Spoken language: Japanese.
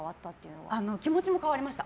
気持ちも変わりました。